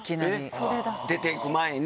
出ていく前に。